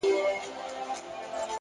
هغه دي مړه سي زموږ نه دي په كار;